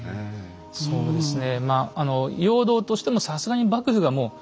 そうですね。